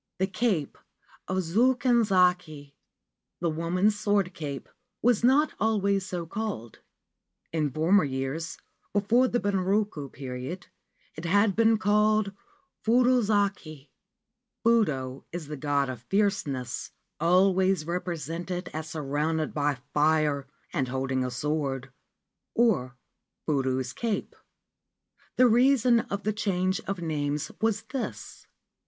The Cape of Joken Zaki (the Woman's Sword Cape) was not always so called. In former years, before the Bunroku period, it had been called Fudozaki (Fudo is the God of Fierceness, always represented as surrounded by fire and holding a sword) or Fudo's Cape. The reason of the change of names was this.